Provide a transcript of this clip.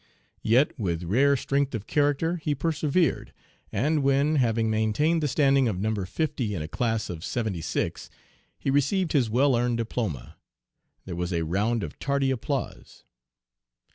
Yet with rare strength of character he persevered, and when, having maintained the standing of No. fifty in a class of seventy six, he received his well earned diploma, there was a round of tardy applause.